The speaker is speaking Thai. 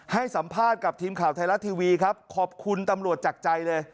ให้สัมภาษณ์กับทีมข่าวไทยรัฐทีวีครับขอบคุณตำรวจจากใจเลย